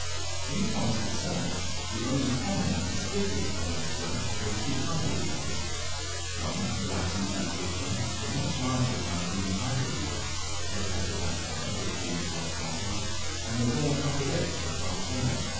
In the forest itself the only common and conspicuous coleoptera were two tiger beetles. One, Therates labiata, was much larger than our green tiger beetle, of a purple black colour, with green metallic glosses, and the broad upper lip of a bright yellow.